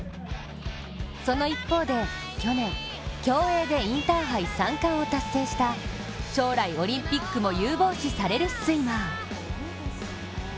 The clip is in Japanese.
その一方で、去年、競泳でインターハイ３冠を達成した将来、オリンピックも有望視されるスイマー。